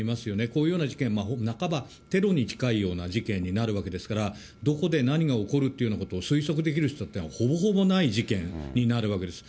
こういうような事件、半ばテロに近いような事件になるわけですから、どこで何が起こるってことを推測できる人っていうのはほぼほぼない事件になるわけです。